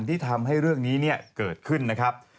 ที่ทำให้เรื่องนี้เกิดขึ้นนะครับ